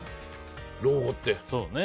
老後って。